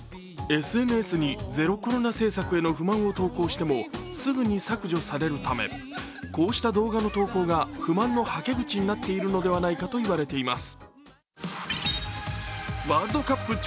ＳＮＳにゼロコロナ政策への不満を投稿してもすぐに削除されるため、こうした動画の投稿が不満のはけ口になっているのではないかと言われています。